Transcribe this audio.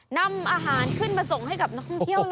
นำอาหารขึ้นมาส่งให้กับนักท่องเที่ยวเลย